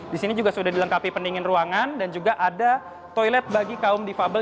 di sini juga sudah dilengkapi pendingin ruangan dan juga ada toilet bagi kaum difabel